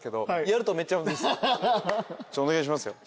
お願いしますよ。